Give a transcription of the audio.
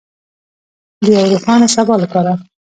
د یو روښانه سبا لپاره.